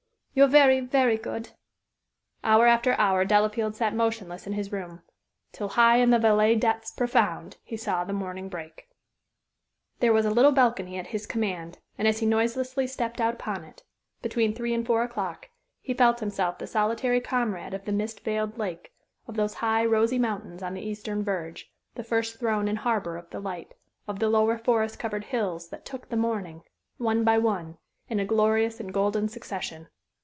You're very, very good." Hour after hour Delafield sat motionless in his room, till "high in the Valais depths profound" he "saw the morning break." There was a little balcony at his command, and as he noiselessly stepped out upon it, between three and four o'clock, he felt himself the solitary comrade of the mist veiled lake, of those high, rosy mountains on the eastern verge, the first throne and harbor of the light of the lower forest covered hills that "took the morning," one by one, in a glorious and golden succession.